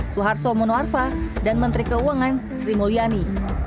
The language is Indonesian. suharto monoarfa dan menteri keuangan sri mulyani